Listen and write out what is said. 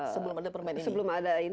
sebelum ada permainan ini